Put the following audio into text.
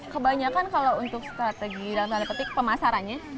kebanyakan kalau untuk strategi rantai petik pemasarannya